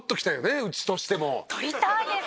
撮りたいです。